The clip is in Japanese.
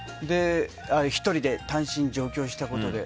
１人で単身上京したことで。